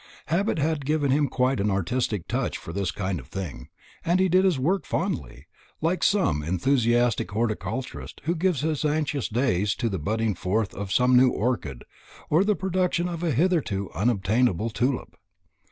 Habit had given him quite an artistic touch for this kind of thing, and he did his work fondly, like some enthusiastic horticulturist who gives his anxious days to the budding forth of some new orchid or the production of a hitherto unobtainable tulip.